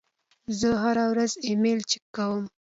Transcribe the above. زه هره ورځ ایمیل چک کوم.